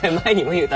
言うた。